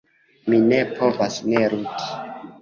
Mi ne povas ne ludi.